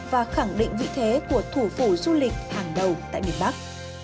và khẳng định vị thế của thủ phủ du lịch hàng đầu tại miền bắc